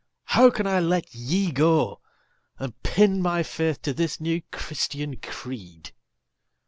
how can I let ye go And pin my faith to this new Christian creed?